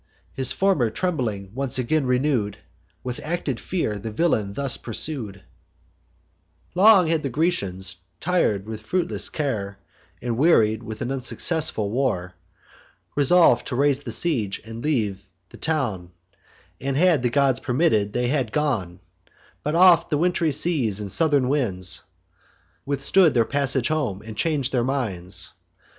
His former trembling once again renew'd, With acted fear, the villain thus pursued: "'Long had the Grecians (tir'd with fruitless care, And wearied with an unsuccessful war) Resolv'd to raise the siege, and leave the town; And, had the gods permitted, they had gone; But oft the wintry seas and southern winds Withstood their passage home, and chang'd their minds.